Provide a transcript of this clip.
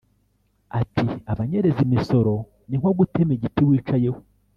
Ati “Abanyereza imisoro ni nko gutema igiti wicayeho